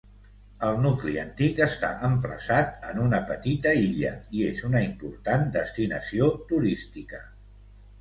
El nucli antic està emplaçat en una petita illa i és una important destinació turística.